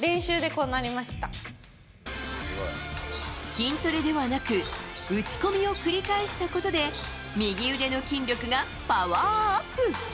筋トレではなく打ち込みを繰り返したことで右腕の筋力がパワーアップ。